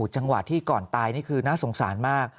จังหวะที่ก่อนตายนี่คือน่าสงสารมาก